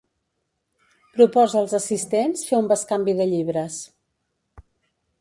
Proposa als assistents fer un bescanvi de llibres.